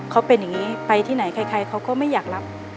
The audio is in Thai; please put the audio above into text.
เขาเป็นอย่างนี้ไปที่ไหนใครเขาก็ไม่อยากรับ